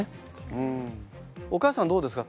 お母さんどうですか？